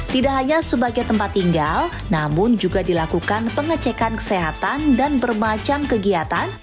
tidak hanya sebagai tempat tinggal namun juga dilakukan pengecekan kesehatan dan bermacam kegiatan